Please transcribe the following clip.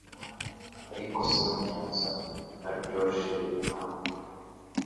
Ariko so ntiyansomye, na Josh ntabwo ...